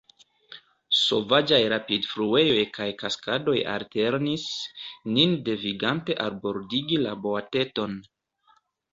Sovaĝaj rapidfluejoj kaj kaskadoj alternis, nin devigante albordigi la boateton.